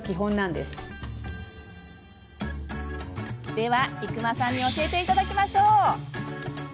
では、伊熊さんに教えていただきましょう。